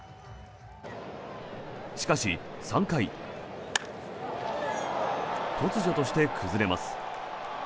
しかし、３回突如として崩れます。